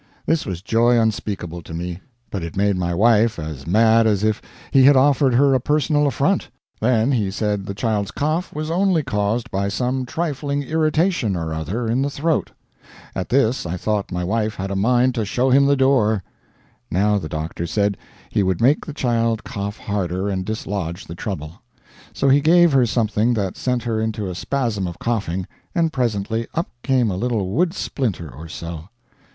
This was joy unspeakable to me, but it made my wife as mad as if he had offered her a personal affront. Then he said the child's cough was only caused by some trifling irritation or other in the throat. At this I thought my wife had a mind to show him the door. Now the doctor said he would make the child cough harder and dislodge the trouble. So he gave her something that sent her into a spasm of coughing, and presently up came a little wood splinter or so.